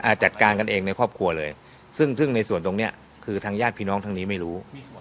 จัดการกันเองในครอบครัวเลยซึ่งซึ่งในส่วนตรงเนี้ยคือทางญาติพี่น้องทางนี้ไม่รู้